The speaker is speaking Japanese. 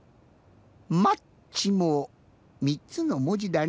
「マッチ」も３つのもじだね。